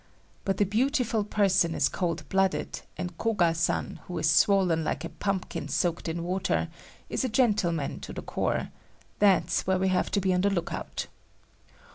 But the beautiful person is cold blooded and Koga san who is swollen like a pumpkin soaked in water, is a gentleman to the core,—that's where we have to be on the look out.